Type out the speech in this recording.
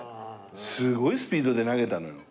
すごいスピードで投げたのよ。